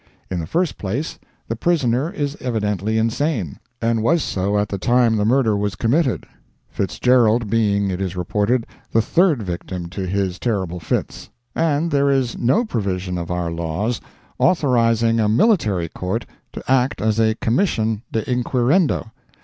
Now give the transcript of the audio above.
In the first place the prisoner is evidently insane, and was so at the time the murder was committed; Fitzgerald being, it is reported, the third victim to his terrible fits; and there is no provision of our laws, authorizing a Military Court to act as a commission de inquirendo.